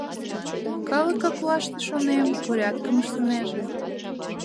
Калык коклаште, шонем, порядкым ыштынеже.